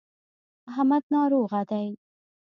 محمد ناروغه دی.